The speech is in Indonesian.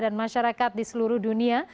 dan masyarakat di seluruh dunia